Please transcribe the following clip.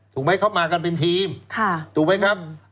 ถูกไหมเขามากันเป็นทีมถูกไหมครับ